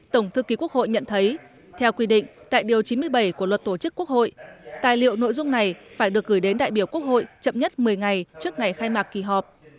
tổng thư ký quốc hội nhận thấy theo quy định tại điều chín mươi bảy của luật tổ chức quốc hội tài liệu nội dung này phải được gửi đến đại biểu quốc hội chậm nhất một mươi ngày trước ngày khai mạc kỳ họp